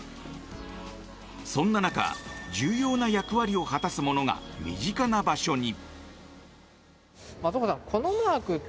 そんな中、重要な役割を果たすものが身近な場所に。